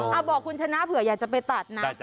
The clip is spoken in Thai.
ถ้าเผื่ออยากจะไปตัดนะ